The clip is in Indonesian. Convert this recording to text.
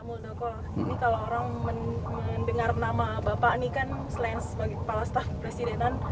muldoko ini kalau orang mendengar nama bapak ini kan selain sebagai kepala staf presidenan